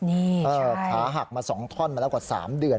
ขาหักมา๒ท่อนมาแล้วกว่า๓เดือน